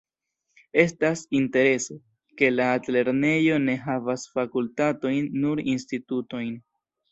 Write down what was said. Estas interese, ke la altlernejo ne havas fakultatojn, nur institutojn.